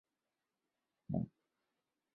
该团秘书长郭长乐。